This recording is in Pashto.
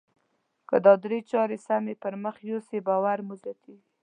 که دا درې چارې سمې پر مخ يوسئ باور مو زیاتیږي.